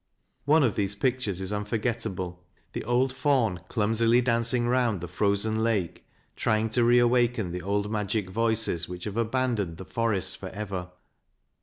One of these pictures is unforgettable the old faun clumsily dancing round the frozen lake, trying to reawaken the old magic voices which have abandoned the forest for ever.